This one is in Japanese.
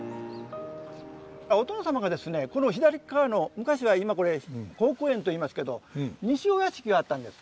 お殿様がですねこの左っかわの昔は今これ好古園と言いますけど西御屋敷があったんです。